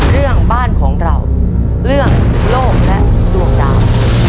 เรื่องบ้านของเราเรื่องโลกและดวงดาว